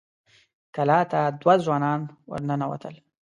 کلا ته دوه ځوانان ور ننوتل.